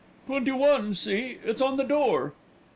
"Twenty one; see, it's on the door."